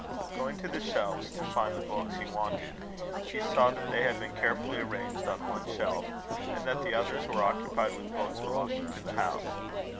Going to the shelves to find the books he wanted, he saw that they had been carefully arranged on one shelf, and that the others were occupied with books belonging to the house.